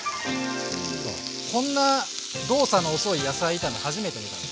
こんな動作の遅い野菜炒め初めて見た？